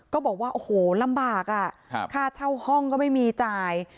ก็บอกว่าโอ้โหลำบากอ่ะค่าเช่าห้องก็ไม่มีจ่าย